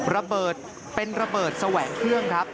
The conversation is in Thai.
ระเบิดเป็นระเบิดแสวงเครื่องครับ